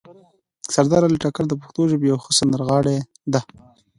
سردار علي ټکر د پښتو ژبې یو ښه سندرغاړی ده